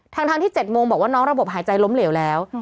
ทั้งที่๗โมงบอกว่าน้องระบบหายใจล้มเหลวแล้ว